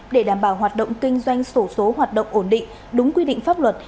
để đảm bảo hoạt động kinh doanh sổ số hoạt động ổn định đúng quy định pháp luật